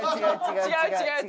違う違う。